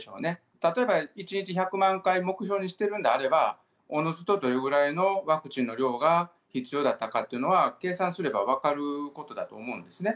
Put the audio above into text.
例えば１日１００万回目標にしてるんであれば、おのずとどれぐらいのワクチンの量が必要だったかというのは、計算すれば分かることだと思うんですね。